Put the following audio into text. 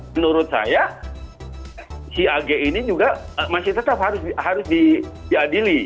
menurut saya si ag ini juga masih tetap harus diadili